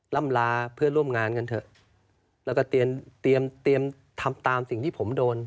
ล่ำลาเพื่อนร่วมงานกันเถอะแล้วก็เตรียมเตรียมทำตามสิ่งที่ผมโดน